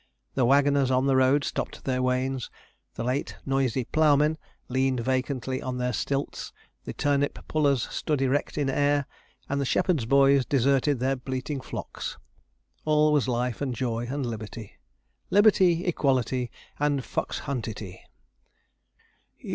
The waggoners on the road stopped their wains, the late noisy ploughmen leaned vacantly on their stilts, the turnip pullers stood erect in air, and the shepherds' boys deserted the bleating flocks; all was life and joy and liberty 'Liberty, equality, and foxhunt ity!'